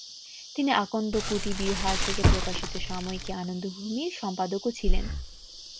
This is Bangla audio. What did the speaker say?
তিনি আনন্দ কুটি বিহার থেকে প্রকাশিত সাময়িকী "আনন্দভূমি"র সম্পাদকও ছিলেন।